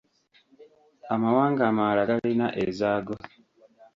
Amawanga amalala galina ezaago.